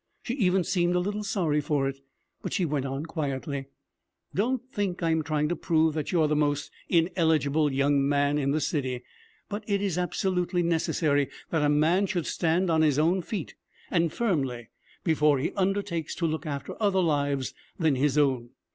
She even seemed a little sorry for it, but she went on quietly: 'Don't think I am trying to prove that you are the most ineligible young man in the city. But it is absolutely necessary that a man should stand on his own feet, and firmly, before he undertakes to look after other lives than his own.